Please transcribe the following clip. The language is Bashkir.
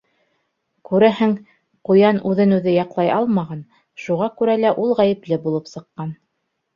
— Күрәһең, ҡуян үҙен үҙе яҡлай алмаған, шуға күрә лә ул ғәйепле булып сыҡҡан.